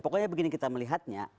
pokoknya begini kita melihatnya